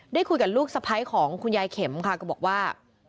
ได้คุยกับลูกสะพ้ายของคุณยายเข็มค่ะก็บอกว่า